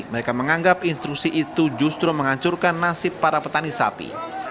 mereka menganggap instruksi itu justru menghancurkan nasib para petani sapi